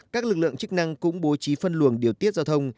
các lực lượng chức năng cũng bố trí phân luồng điều tiết giao thông